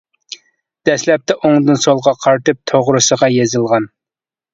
دەسلەپتە ئوڭدىن سولغا قارىتىپ توغرىسىغا يېزىلغان.